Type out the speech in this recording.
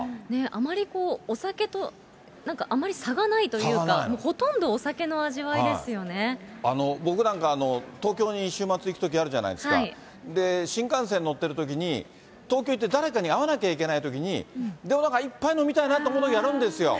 あまりこうお酒と、あまり差がないというか、ほとんどお酒の僕なんか、東京に週末行くときあるじゃないですか、新幹線乗ってるときに、東京行って誰かに会わなきゃいけないときに、でもなんか１杯飲みたいなと思うときあるんですよ。